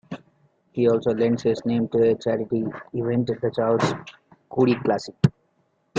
He also lends his name to a charity event, the Charles Coody Classic.